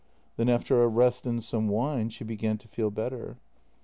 Then after a rest and some wine, she began to feel better.